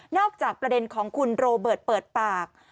อกจากประเด็นของคุณโรเบิร์ตเปิดปาก